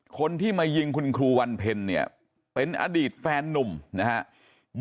คนที่มายิงคุณครูวันเพ็ญเนี่ยเป็นอดีตแฟนนุ่มนะครับ